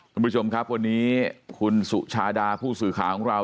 คุณผู้ชมครับวันนี้คุณสุชาดาผู้สื่อข่าวของเรา